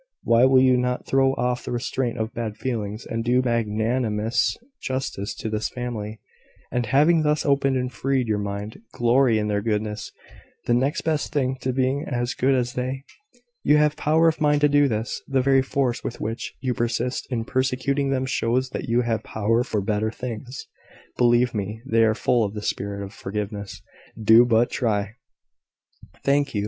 Why will you not throw off the restraint of bad feelings, and do magnanimous justice to this family, and, having thus opened and freed your mind, glory in their goodness the next best thing to being as good as they? You have power of mind to do this: the very force with which you persist in persecuting them shows that you have power for better things. Believe me, they are full of the spirit of forgiveness. Do but try " "Thank you.